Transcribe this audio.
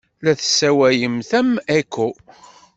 La tessawalem am Eco.